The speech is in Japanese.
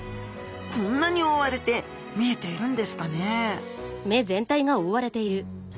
こんなに覆われて見えているんですかね？